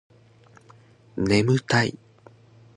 ねむたい